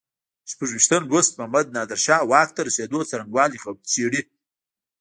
شپږویشتم لوست محمد نادر شاه واک ته رسېدو څرنګوالی څېړي.